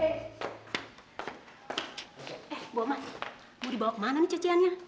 eh bu omat mau dibawa kemana nih cuciannya